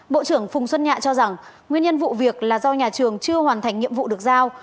bộ trưởng phùng xuân nhạ cho rằng nguyên nhân vụ việc là do nhà trường chưa hoàn thành nhiệm vụ được giao